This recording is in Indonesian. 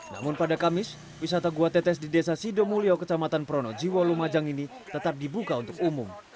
namun pada kamis wisata gua tetes di desa sidomulyo kecamatan pronojiwo lumajang ini tetap dibuka untuk umum